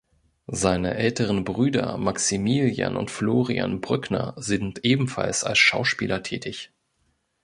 Seine älteren Brüder Maximilian und Florian Brückner sind ebenfalls als Schauspieler tätig.